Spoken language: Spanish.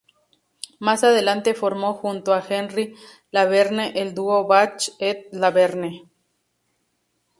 Más adelante formó junto a Henry-Laverne el dúo Bach et Laverne.